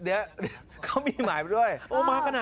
เดี๋ยวคลุมตัวเราพอไว้